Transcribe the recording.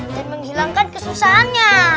dan menghilangkan kesusahannya